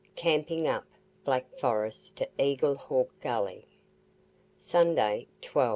CAMPING UP BLACK FOREST TO EAGLE HAWK GULLY SUNDAY, 12.